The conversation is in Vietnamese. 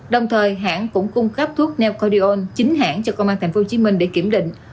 đồng thời hãng cũng cung cấp thuốc neodion chính hãng cho công an tp hcm để kiểm định